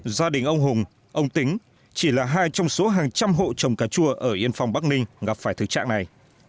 gia đình ông hùng ông tính chỉ là hai trong số hàng trăm hộ trồng cà chua ở yên phong bắc ninh gặp phải thực trạng này